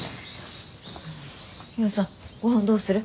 ミホさんごはんどうする？